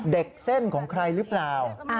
เส้นของใครหรือเปล่า